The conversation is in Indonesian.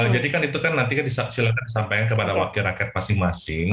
jadi kan itu kan nanti silahkan disampaikan kepada wakil rakyat masing masing